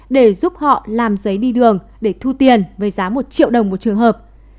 để giúp họ làm giấy đi đường để thu tiền với giá một triệu đồng một trường hợp